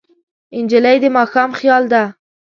نجلۍ د ماښام خیال ده.